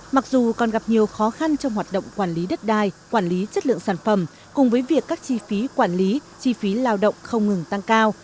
mặc dù còn gặp nhiều khó khăn trong hoạt động quản lý đất đai quản lý chất lượng sản phẩm cùng với việc các chi phí quản lý chi phí lao động không ngừng tăng cao